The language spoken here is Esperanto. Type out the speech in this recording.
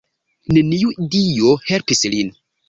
Neniu dio helpis lin.